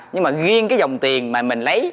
nhưng mà riêng cái dòng tiền mà mình lấy